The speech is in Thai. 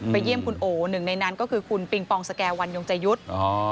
เยี่ยมคุณโอหนึ่งในนั้นก็คือคุณปิงปองสแก่วันยงใจยุทธ์